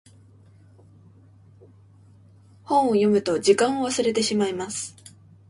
本を読むと時間を忘れてしまいます。